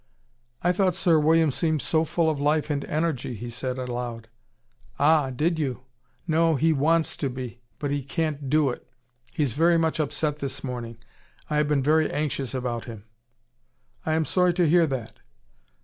"I thought Sir William seemed so full of life and energy," he said, aloud. "Ah, did you! No, he WANTS to be. But he can't do it. He's very much upset this morning. I have been very anxious about him." "I am sorry to hear that."